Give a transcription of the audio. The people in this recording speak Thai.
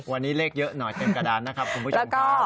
วันนี้เลขเยอะหน่อยเต็มกระดานนะครับคุณผู้ชมครับ